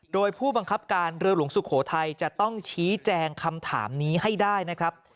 โดยผู้บังคับการเรือหลวงสุโขทัยจะต้องชี้แจงคำถามนี้ให้ได้นะครับ